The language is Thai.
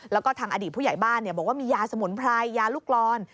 แล้วก็ทางอดีตผู้ใหญ่บ้านบอกว่ามียาสมุนไพรยาลูกร้อน